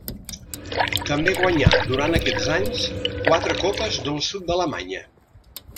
També guanyà durant aquests anys quatre copes del sud d'Alemanya.